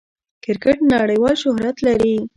کرکټ نړۍوال شهرت لري.